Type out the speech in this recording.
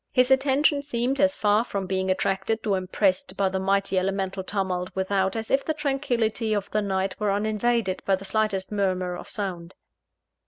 His attention seemed as far from being attracted or impressed by the mighty elemental tumult without, as if the tranquillity of the night were uninvaded by the slightest murmur of sound.